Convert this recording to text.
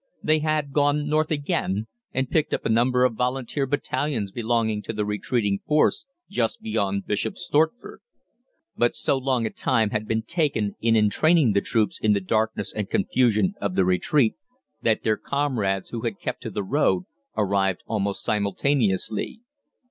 They had gone north again, and picked up a number of Volunteer battalions belonging to the retreating force just beyond Bishop's Stortford. But so long a time had been taken in entraining the troops in the darkness and confusion of the retreat, that their comrades who had kept to the road, arrived almost simultaneously.